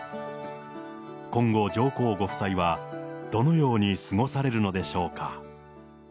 今後、上皇ご夫妻はどのように過ごされるのでしょうか。